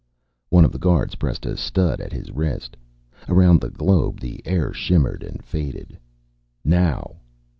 One of the guards pressed a stud at his wrist. Around the globe the air shimmered and faded. "Now."